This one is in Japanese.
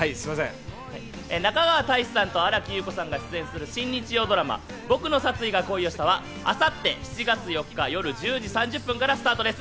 中川大志さんと新木優子さんが出演する新日曜ドラマ『ボクの殺意が恋をした』は明後日７月４日、夜１０時３０分からスタートです。